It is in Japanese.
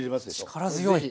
力強い。